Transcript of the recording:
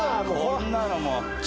こんなのもう。